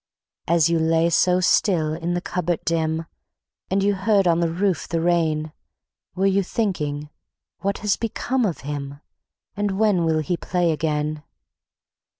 As you lay so still in the cupboard dim, And you heard on the roof the rain, Were you thinking ... what has become of him? And when will he play again?